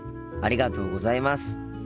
ありがとうございます。